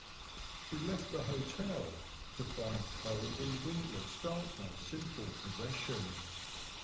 We left the hotel, to find cold and windless darkness in full possession.